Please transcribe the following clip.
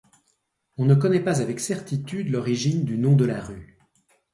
On ne connait pas avec certitude l'origine du nom de la rue.